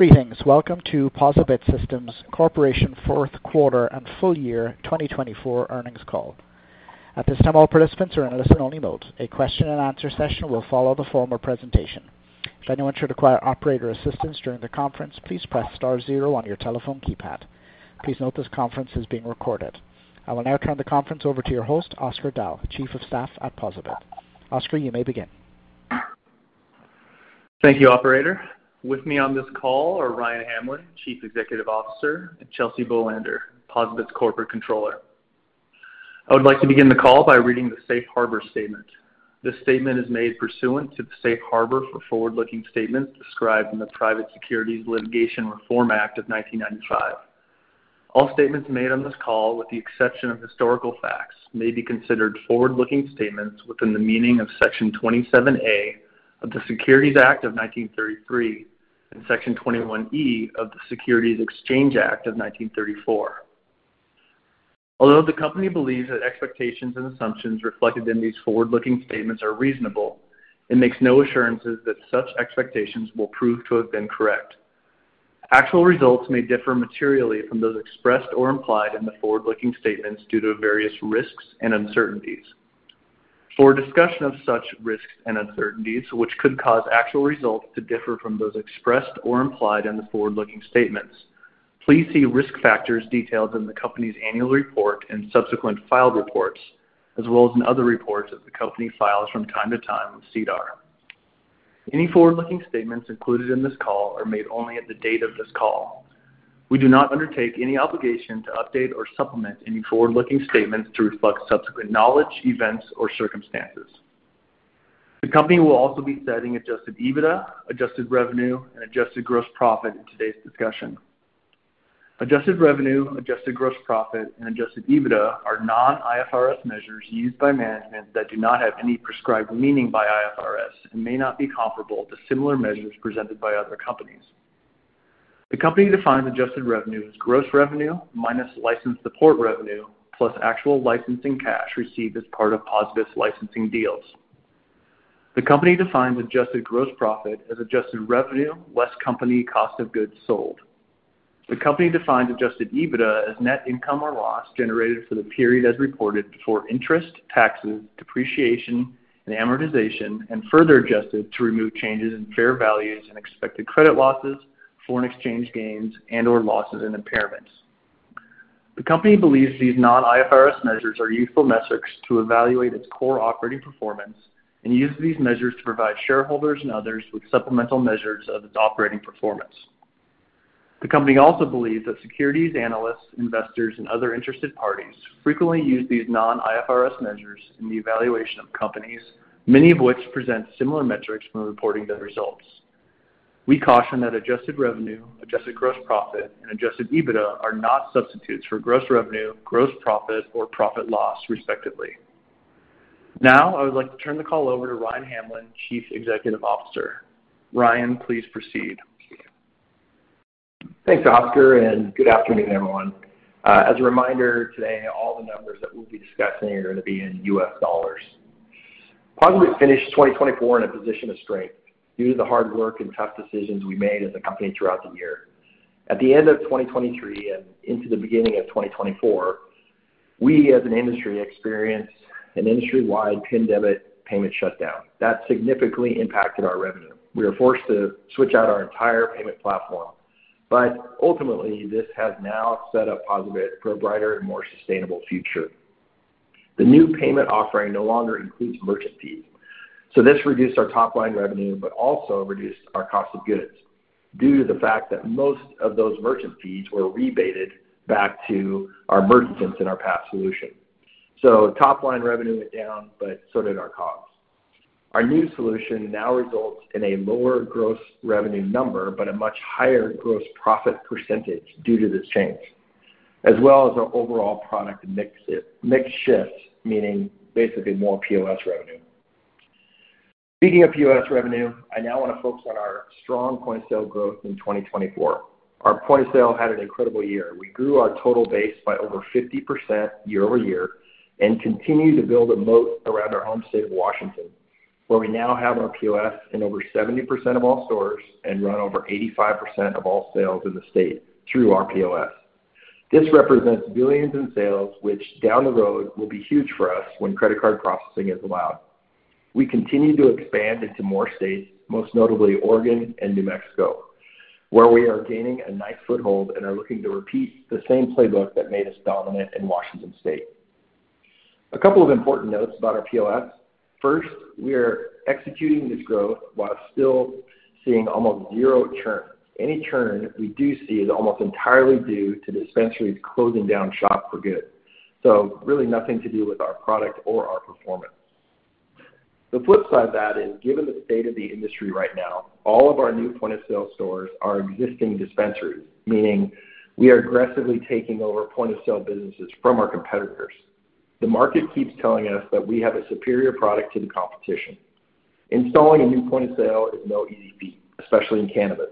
Greetings. Welcome to POSaBIT Systems Corporation Fourth Quarter and Full Year 2024 Earnings Call. At this time, all participants are in a listen-only mode. A question-and-answer session will follow the formal presentation. If anyone should require operator assistance during the conference, please press star zero on your telephone keypad. Please note this conference is being recorded. I will now turn the conference over to your host, Oscar Dahl, Chief of Staff at POSaBIT. Oscar, you may begin. Thank you, Operator. With me on this call are Ryan Hamlin, Chief Executive Officer, and Chelsea Bolander, POSaBIT's Corporate Controller. I would like to begin the call by reading the Safe Harbor Statement. This statement is made pursuant to the Safe Harbor for Forward-Looking Statements described in the Private Securities Litigation Reform Act of 1995. All statements made on this call, with the exception of historical facts, may be considered forward-looking statements within the meaning of Section 27A of the Securities Act of 1933 and Section 21E of the Securities Exchange Act of 1934. Although the company believes that expectations and assumptions reflected in these forward-looking statements are reasonable, it makes no assurances that such expectations will prove to have been correct. Actual results may differ materially from those expressed or implied in the forward-looking statements due to various risks and uncertainties. For discussion of such risks and uncertainties, which could cause actual results to differ from those expressed or implied in the forward-looking statements, please see risk factors detailed in the company's annual report and subsequent filed reports, as well as in other reports that the company files from time to time with SEDAR. Any forward-looking statements included in this call are made only at the date of this call. We do not undertake any obligation to update or supplement any forward-looking statements to reflect subsequent knowledge, events, or circumstances. The company will also be setting adjusted EBITDA, adjusted revenue, and adjusted gross profit in today's discussion. Adjusted revenue, adjusted gross profit, and adjusted EBITDA are non-IFRS measures used by management that do not have any prescribed meaning by IFRS and may not be comparable to similar measures presented by other companies. The company defines adjusted revenue as gross revenue minus license support revenue plus actual licensing cash received as part of POSaBIT's licensing deals. The company defines adjusted gross profit as adjusted revenue less company cost of goods sold. The company defines adjusted EBITDA as net income or loss generated for the period as reported before interest, taxes, depreciation, and amortization, and further adjusted to remove changes in fair values and expected credit losses, foreign exchange gains, and/or losses and impairments. The company believes these non-IFRS measures are useful metrics to evaluate its core operating performance and uses these measures to provide shareholders and others with supplemental measures of its operating performance. The company also believes that securities analysts, investors, and other interested parties frequently use these non-IFRS measures in the evaluation of companies, many of which present similar metrics when reporting their results. We caution that adjusted revenue, adjusted gross profit, and adjusted EBITDA are not substitutes for gross revenue, gross profit, or profit loss, respectively. Now, I would like to turn the call over to Ryan Hamlin, Chief Executive Officer. Ryan, please proceed. Thanks, Oscar, and good afternoon, everyone. As a reminder, today, all the numbers that we'll be discussing are going to be in US dollars. POSaBIT finished 2024 in a position of strength due to the hard work and tough decisions we made as a company throughout the year. At the end of 2023 and into the beginning of 2024, we, as an industry, experienced an industry-wide pandemic payment shutdown. That significantly impacted our revenue. We were forced to switch out our entire payment platform, but ultimately, this has now set up POSaBIT for a brighter and more sustainable future. The new payment offering no longer includes merchant fees, so this reduced our top-line revenue, but also reduced our cost of goods due to the fact that most of those merchant fees were rebated back to our merchants in our past solution. Top-line revenue went down, but so did our costs. Our new solution now results in a lower gross revenue number, but a much higher gross profit percentage due to this change, as well as our overall product mix shift, meaning basically more POS revenue. Speaking of POS revenue, I now want to focus on our strong point of sale growth in 2024. Our point of sale had an incredible year. We grew our total base by over 50% year over year and continue to build a moat around our home state of Washington, where we now have our POS in over 70% of all stores and run over 85% of all sales in the state through our POS. This represents billions in sales, which down the road will be huge for us when credit card processing is allowed. We continue to expand into more states, most notably Oregon and New Mexico, where we are gaining a nice foothold and are looking to repeat the same playbook that made us dominant in Washington. A couple of important notes about our POS. First, we are executing this growth while still seeing almost zero churn. Any churn we do see is almost entirely due to dispensaries closing down shop for good, so really nothing to do with our product or our performance. The flip side of that is, given the state of the industry right now, all of our new point of sale stores are existing dispensaries, meaning we are aggressively taking over point of sale businesses from our competitors. The market keeps telling us that we have a superior product to the competition. Installing a new point of sale is no easy feat, especially in cannabis.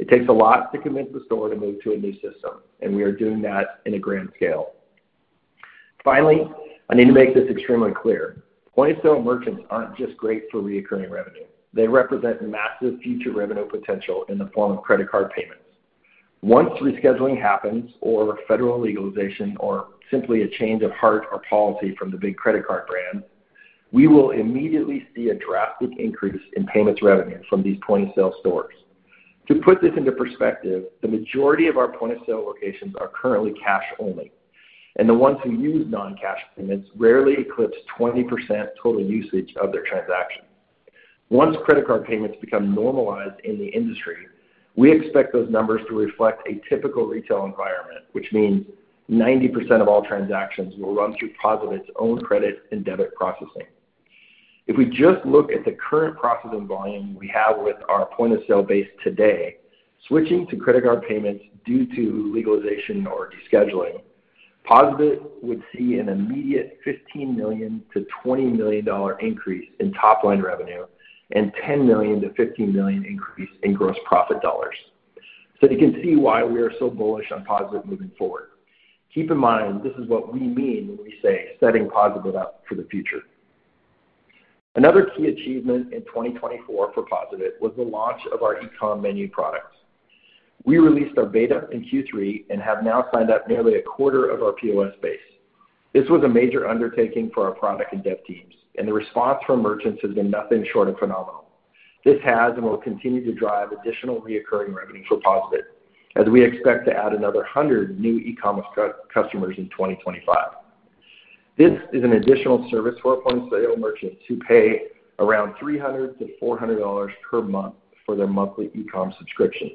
It takes a lot to convince the store to move to a new system, and we are doing that in a grand scale. Finally, I need to make this extremely clear. Point-of-sale merchants aren't just great for recurring revenue. They represent massive future revenue potential in the form of credit card payments. Once rescheduling happens, or federal legalization, or simply a change of heart or policy from the big credit card brands, we will immediately see a drastic increase in payments revenue from these point-of-sale stores. To put this into perspective, the majority of our point-of-sale locations are currently cash only, and the ones who use non-cash payments rarely eclipse 20% total usage of their transactions. Once credit card payments become normalized in the industry, we expect those numbers to reflect a typical retail environment, which means 90% of all transactions will run through POSaBIT's own credit and debit processing. If we just look at the current processing volume we have with our point-of-sale base today, switching to credit card payments due to legalization or rescheduling, POSaBIT would see an immediate $15 million-$20 million increase in top-line revenue and $10 million-$15 million increase in gross profit dollars. You can see why we are so bullish on POSaBIT moving forward. Keep in mind, this is what we mean when we say setting POSaBIT up for the future. Another key achievement in 2024 for POSaBIT was the launch of our e-commerce menu products. We released our beta in Q3 and have now signed up nearly a quarter of our POS base. This was a major undertaking for our product and dev teams, and the response from merchants has been nothing short of phenomenal. This has and will continue to drive additional recurring revenue for POSaBIT, as we expect to add another 100 new e-commerce customers in 2025. This is an additional service for our point-of-sale merchants who pay around $300-$400 per month for their monthly e-commerce subscription.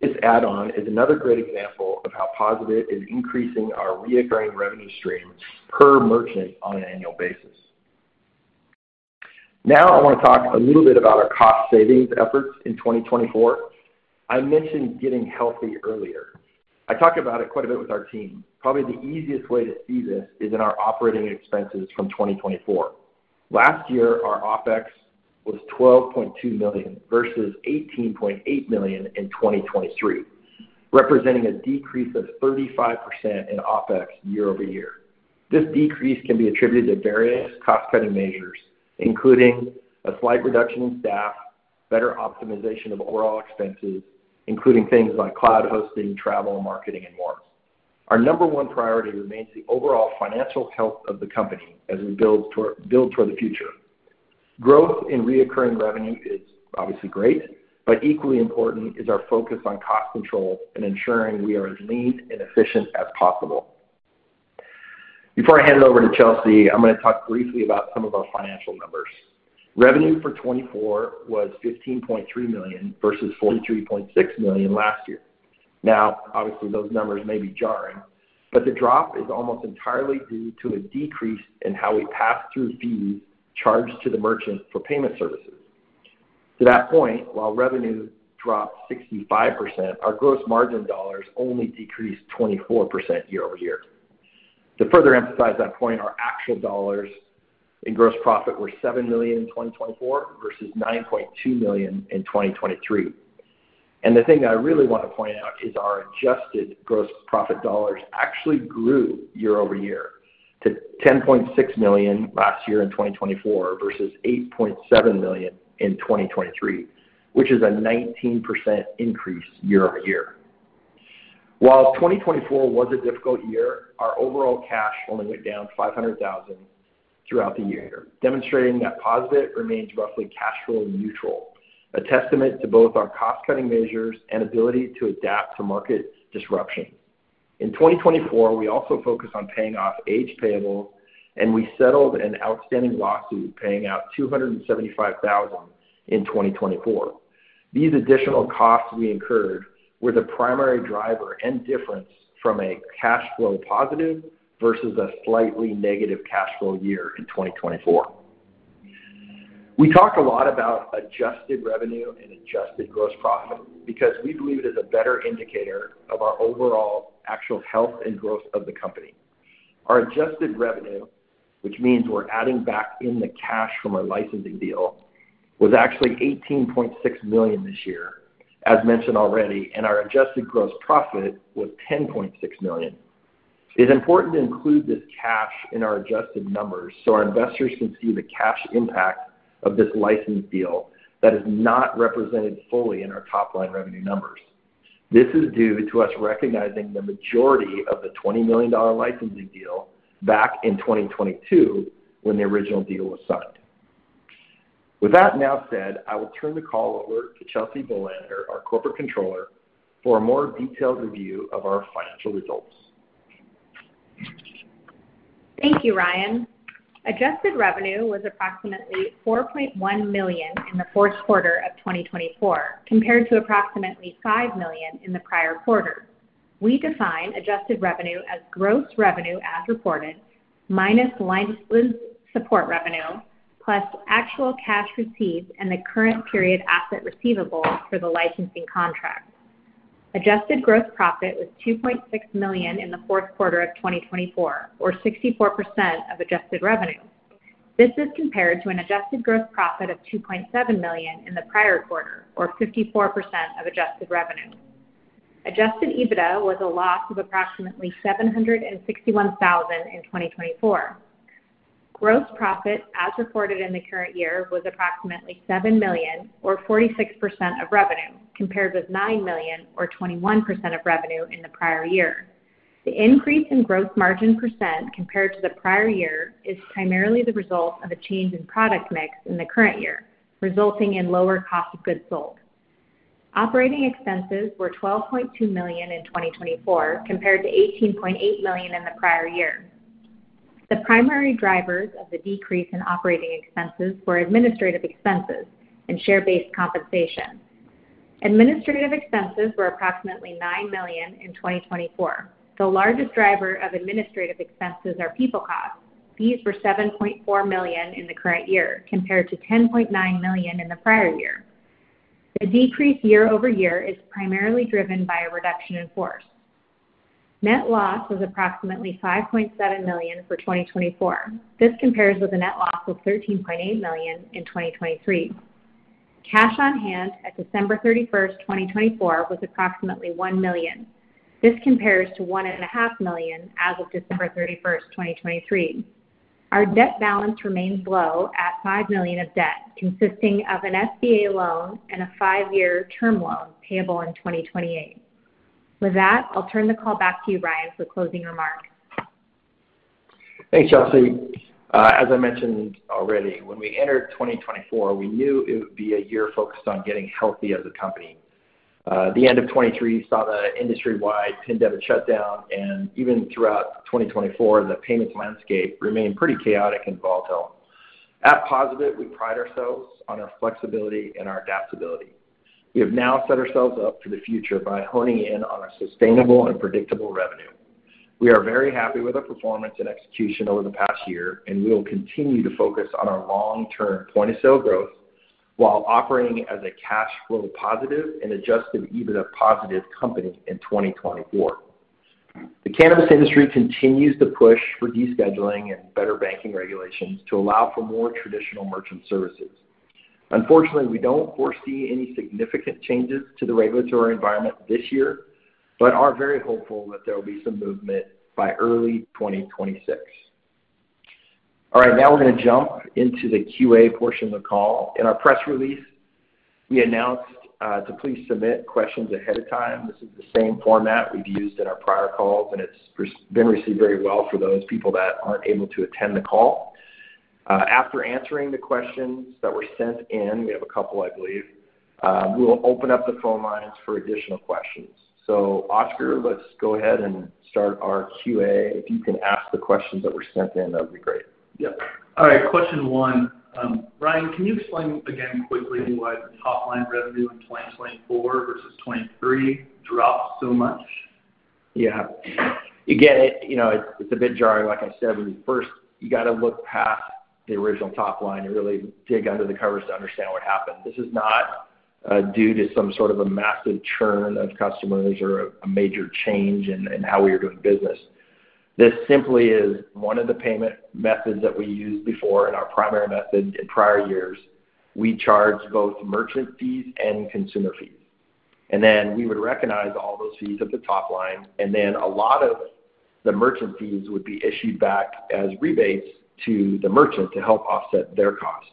This add-on is another great example of how POSaBIT is increasing our recurring revenue stream per merchant on an annual basis. Now, I want to talk a little bit about our cost savings efforts in 2024. I mentioned getting healthy earlier. I talk about it quite a bit with our team. Probably the easiest way to see this is in our operating expenses from 2024. Last year, our OPEX was $12.2 million versus $18.8 million in 2023, representing a decrease of 35% in OPEX year over year. This decrease can be attributed to various cost-cutting measures, including a slight reduction in staff, better optimization of overall expenses, including things like cloud hosting, travel, marketing, and more. Our number one priority remains the overall financial health of the company as we build toward the future. Growth in recurring revenue is obviously great, but equally important is our focus on cost control and ensuring we are as lean and efficient as possible. Before I hand it over to Chelsea, I'm going to talk briefly about some of our financial numbers. Revenue for 2024 was $15.3 million versus $43.6 million last year. Now, obviously, those numbers may be jarring, but the drop is almost entirely due to a decrease in how we pass through fees charged to the merchants for payment services. To that point, while revenue dropped 65%, our gross margin dollars only decreased 24% year over year. To further emphasize that point, our actual dollars in gross profit were $7 million in 2024 versus $9.2 million in 2023. The thing I really want to point out is our adjusted gross profit dollars actually grew year over year to $10.6 million last year in 2024 versus $8.7 million in 2023, which is a 19% increase year over year. While 2024 was a difficult year, our overall cash only went down $500,000 throughout the year, demonstrating that POSaBIT remains roughly cash flow neutral, a testament to both our cost-cutting measures and ability to adapt to market disruption. In 2024, we also focused on paying off aged payables, and we settled an outstanding lawsuit paying out $275,000 in 2024. These additional costs we incurred were the primary driver and difference from a cash flow positive versus a slightly negative cash flow year in 2024. We talk a lot about adjusted revenue and adjusted gross profit because we believe it is a better indicator of our overall actual health and growth of the company. Our adjusted revenue, which means we're adding back in the cash from our licensing deal, was actually $18.6 million this year, as mentioned already, and our adjusted gross profit was $10.6 million. It's important to include this cash in our adjusted numbers so our investors can see the cash impact of this licensing deal that is not represented fully in our top-line revenue numbers. This is due to us recognizing the majority of the $20 million licensing deal back in 2022 when the original deal was signed. With that now said, I will turn the call over to Chelsea Bolander, our Corporate Controller, for a more detailed review of our financial results. Thank you, Ryan. Adjusted revenue was approximately $4.1 million in the Q4 of 2024, compared to approximately $5 million in the prior quarter. We define adjusted revenue as gross revenue as reported minus license support revenue plus actual cash received and the current period asset receivable for the licensing contract. Adjusted gross profit was $2.6 million in the fourth quarter of 2024, or 64% of adjusted revenue. This is compared to an adjusted gross profit of $2.7 million in the prior quarter, or 54% of adjusted revenue. Adjusted EBITDA was a loss of approximately $761,000 in 2024. Gross profit, as reported in the current year, was approximately $7 million, or 46% of revenue, compared with $9 million, or 21% of revenue in the prior year. The increase in gross margin % compared to the prior year is primarily the result of a change in product mix in the current year, resulting in lower cost of goods sold. Operating expenses were $12.2 million in 2024, compared to $18.8 million in the prior year. The primary drivers of the decrease in operating expenses were administrative expenses and share-based compensation. Administrative expenses were approximately $9 million in 2024. The largest driver of administrative expenses are people costs. These were $7.4 million in the current year, compared to $10.9 million in the prior year. The decrease year over year is primarily driven by a reduction in force. Net loss was approximately $5.7 million for 2024. This compares with a net loss of $13.8 million in 2023. Cash on hand at December 31st 2024, was approximately $1 million. This compares to $1.5 million as of December 31st 2023. Our debt balance remains low at $5 million of debt, consisting of an SBA loan and a five-year term loan payable in 2028. With that, I'll turn the call back to you, Ryan, for closing remarks. Thanks, Chelsea. As I mentioned already, when we entered 2024, we knew it would be a year focused on getting healthy as a company. The end of 2023 saw the industry-wide pandemic shutdown, and even throughout 2024, the payments landscape remained pretty chaotic and volatile. At POSaBIT, we pride ourselves on our flexibility and our adaptability. We have now set ourselves up for the future by honing in on our sustainable and predictable revenue. We are very happy with our performance and execution over the past year, and we will continue to focus on our long-term point of sale growth while operating as a cash flow positive and adjusted EBITDA positive company in 2024. The cannabis industry continues to push for descheduling and better banking regulations to allow for more traditional merchant services. Unfortunately, we do not foresee any significant changes to the regulatory environment this year, but are very hopeful that there will be some movement by early 2026. All right, now we are going to jump into the QA portion of the call. In our press release, we announced to please submit questions ahead of time. This is the same format we have used in our prior calls, and it has been received very well for those people that are not able to attend the call. After answering the questions that were sent in, we have a couple, I believe, we will open up the phone lines for additional questions. Oscar, let's go ahead and start our QA. If you can ask the questions that were sent in, that would be great. Yep. All right, question one. Ryan, can you explain again quickly why the top-line revenue in 2024 versus 2023 dropped so much? Yeah. Again, it's a bit jarring. Like I said, when you first, you got to look past the original top line and really dig under the covers to understand what happened. This is not due to some sort of a massive churn of customers or a major change in how we are doing business. This simply is one of the payment methods that we used before and our primary method in prior years. We charged both merchant fees and consumer fees. And then we would recognize all those fees at the top line, and then a lot of the merchant fees would be issued back as rebates to the merchant to help offset their costs.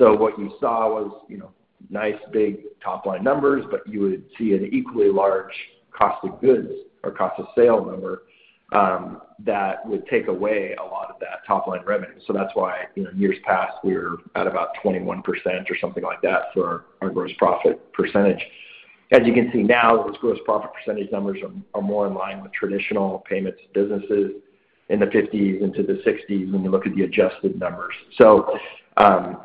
What you saw was nice big top-line numbers, but you would see an equally large cost of goods or cost of sale number that would take away a lot of that top-line revenue. That's why years past, we were at about 21% or something like that for our gross profit percentage. As you can see now, those gross profit percentage numbers are more in line with traditional payments businesses in the 50's into the 60's when you look at the adjusted numbers.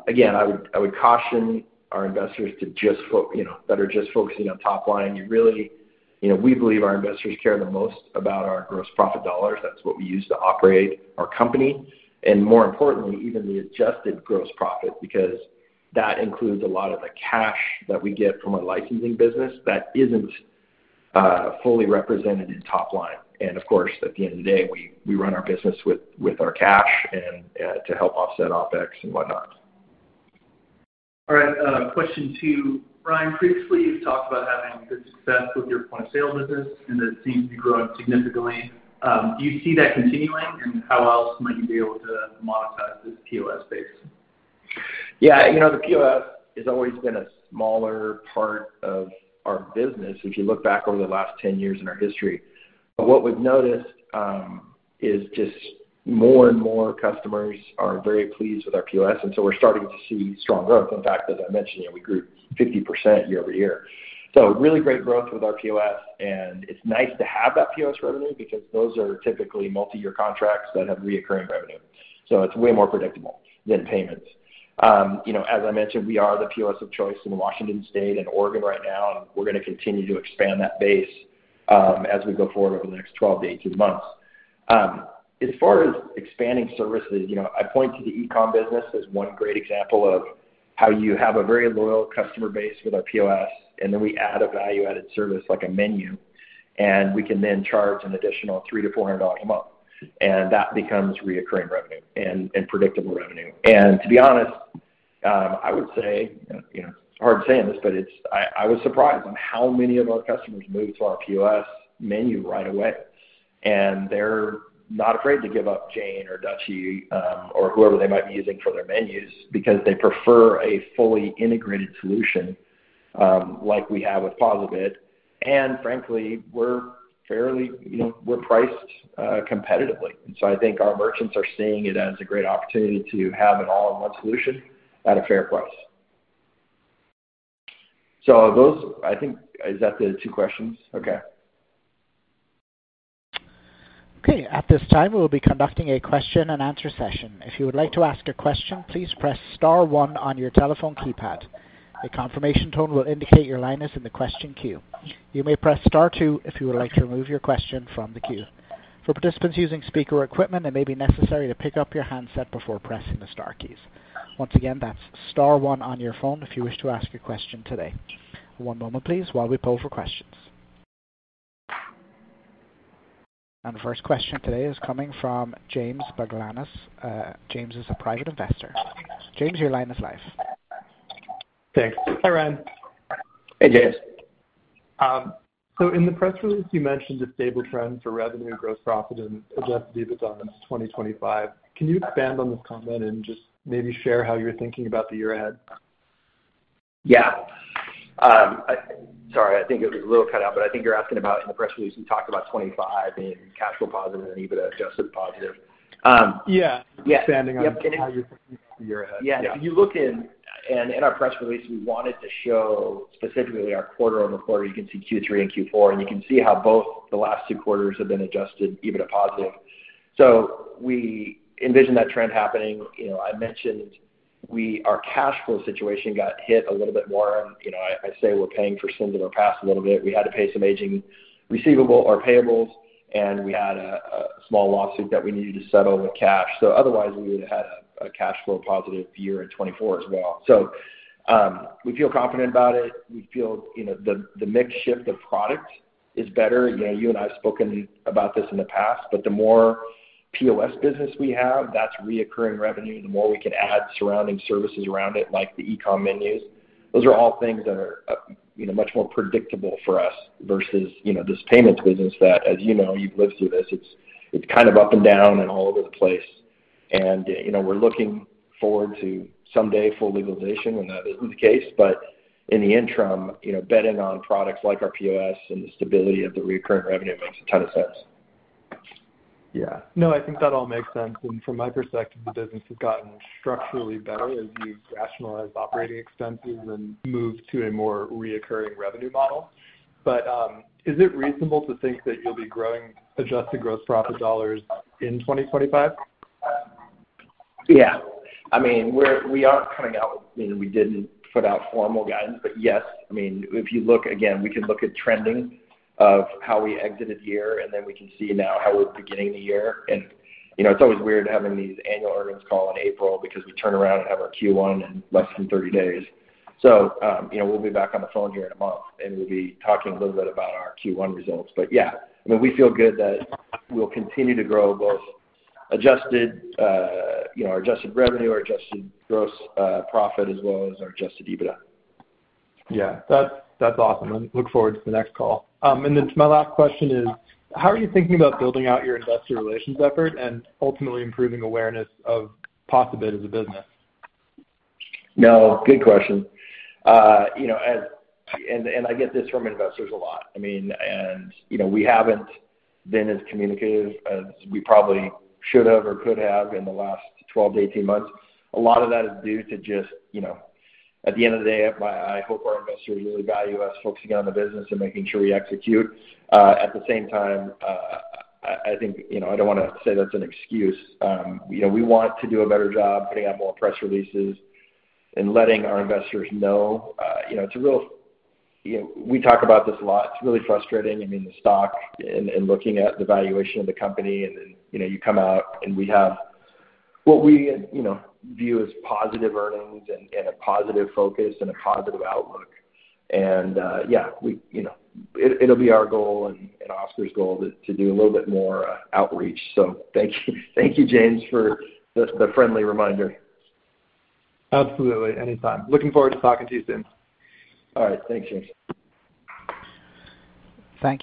Again, I would caution our investors that are just focusing on top line. We believe our investors care the most about our gross profit dollars. That's what we use to operate our company. More importantly, even the adjusted gross profit, because that includes a lot of the cash that we get from our licensing business that isn't fully represented in top line. Of course, at the end of the day, we run our business with our cash to help offset OPEX and whatnot. All right, question two. Ryan, previously, you've talked about having good success with your point of sale business, and it seems to be growing significantly. Do you see that continuing, and how else might you be able to monetize this POS base? Yeah, the POS has always been a smaller part of our business if you look back over the last 10 years in our history. What we've noticed is just more and more customers are very pleased with our POS, and we're starting to see strong growth. In fact, as I mentioned, we grew 50% year over year. Really great growth with our POS, and it's nice to have that POS revenue because those are typically multi-year contracts that have reoccurring revenue. It's way more predictable than payments. As I mentioned, we are the POS of choice in Washington State and Oregon right now, and we're going to continue to expand that base as we go forward over the next 12-18 months. As far as expanding services, I point to the e-commerce business as one great example of how you have a very loyal customer base with our POS, and then we add a value-added service like a menu, and we can then charge an additional $300-$400 a month. That becomes recurring revenue and predictable revenue. To be honest, I would say, it's hard saying this, but I was surprised on how many of our customers moved to our POS menu right away. They're not afraid to give up Jane or Dutchie or whoever they might be using for their menus because they prefer a fully integrated solution like we have with POSaBIT. Frankly, we're priced competitively. I think our merchants are seeing it as a great opportunity to have an all-in-one solution at a fair price. I think, is that the two questions? Okay. Okay. At this time, we will be conducting a question-and-answer session. If you would like to ask a question, please press Star one on your telephone keypad. A confirmation tone will indicate your line is in the question queue. You may press Star two if you would like to remove your question from the queue. For participants using speaker equipment, it may be necessary to pick up your handset before pressing the Star keys. Once again, that's Star one on your phone if you wish to ask a question today. One moment, please, while we pull for questions. The first question today is coming from James Boglanis. James is a private investor. James, your line is live. Thanks. Hi, Ryan. Hey, James. In the press release, you mentioned a stable trend for revenue and gross profit and adjusted EBITDA in 2025. Can you expand on this comment and just maybe share how you're thinking about the year ahead? Yeah. Sorry, I think it was a little cut out, but I think you're asking about in the press release, we talked about '25 being cash flow positive and adjusted EBITDA positive. Yeah. Expanding on how you're thinking about the year ahead. Yeah. If you look in our press release, we wanted to show specifically our quarter-over-quarter. You can see Q3 and Q4, and you can see how both the last two quarters have been adjusted EBITDA positive. We envision that trend happening. I mentioned our cash flow situation got hit a little bit more. I say we're paying for sins of our past a little bit. We had to pay some aging receivable or payables, and we had a small lawsuit that we needed to settle with cash. Otherwise, we would have had a cash flow-positive year in 2024 as well. We feel confident about it. We feel the mix shift of product is better. You and I have spoken about this in the past, but the more POS business we have, that's reoccurring revenue. The more we can add surrounding services around it, like the e-comm menus. Those are all things that are much more predictable for us versus this payments business that, as you know, you've lived through this. It's kind of up and down and all over the place. We're looking forward to someday full legalization, and that isn't the case. In the interim, betting on products like our POS and the stability of the recurring revenue makes a ton of sense. Yeah. No, I think that all makes sense. From my perspective, the business has gotten structurally better as you've rationalized operating expenses and moved to a more recurring revenue model. Is it reasonable to think that you'll be growing Adjusted Gross Profit Dollars in 2025? Yeah. I mean, we aren't coming out with, we didn't put out formal guidance, but yes. I mean, if you look again, we can look at trending of how we exited the year, and then we can see now how we're beginning the year. It's always weird having these annual earnings call in April because we turn around and have our Q1 in less than 30 days. We will be back on the phone here in a month, and we'll be talking a little bit about our Q1 results. Yeah, I mean, we feel good that we'll continue to grow both adjusted revenue, our adjusted gross profit, as well as our adjusted EBITDA. Yeah. That's awesome. I look forward to the next call. My last question is, how are you thinking about building out your investor relations effort and ultimately improving awareness of POSaBIT as a business? No, good question. I get this from investors a lot. I mean, we haven't been as communicative as we probably should have or could have in the last 12 to 18 months. A lot of that is due to just, at the end of the day, I hope our investors really value us focusing on the business and making sure we execute. At the same time, I think I don't want to say that's an excuse. We want to do a better job putting out more press releases and letting our investors know. It's a real, we talk about this a lot. It's really frustrating. I mean, the stock and looking at the valuation of the company, and then you come out and we have what we view as positive earnings and a positive focus and a positive outlook. Yeah, it'll be our goal and Oscar's goal to do a little bit more outreach. Thank you, James, for the friendly reminder. Absolutely. Anytime. Looking forward to talking to you soon. All right. Thanks, James. Thank you.